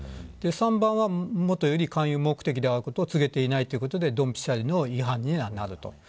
３番は、もとより勧誘目的であることを告げていないということでどんぴしゃりの違反になる。